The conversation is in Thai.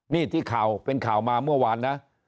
นี่ที่ข่าวเป็นข่าวมาเมื่อวานนะ